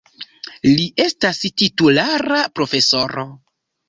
Li estas titulara profesoro.